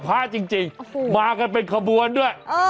พระจริงมากันเป็นขบวนด้วย